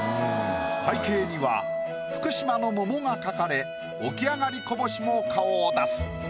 背景には福島の桃が描かれ起き上がり小法師も顔を出す。